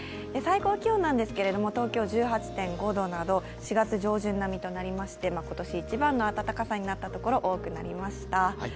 最高気温は東京１８．５度など４月上旬並みとなりまして今年一番の暖かさになった所が多くなりました。